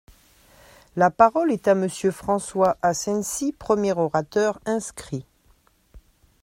La parole est à Monsieur François Asensi, premier orateur inscrit.